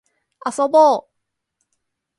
遊ぼう